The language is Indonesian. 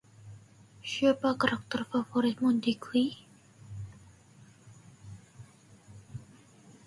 Siapa karakter favoritmu di Glee?